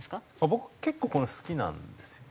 僕結構好きなんですよ。